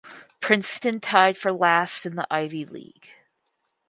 Princeton tied for last in the Ivy League.